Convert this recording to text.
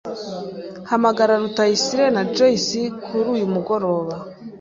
Hamagara Rutayisire na Joyce kuri uyu mugoroba.